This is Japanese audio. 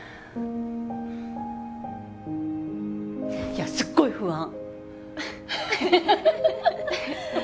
いやすっごい不安。